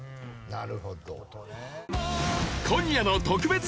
なるほど。